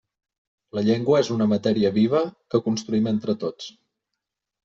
La llengua és una matèria viva que construïm entre tots.